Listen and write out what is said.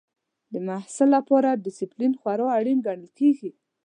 د محصل لپاره ډسپلین خورا اړین ګڼل کېږي.